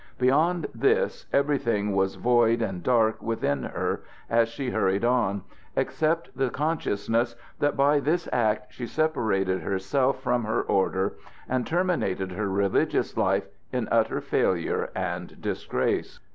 Beyond this everything was void and dark within her as she hurried on, except the consciousness that by this act she separated herself from her Order and terminated her religious life in utter failure and disgrace.